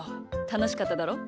たのしかっただろ？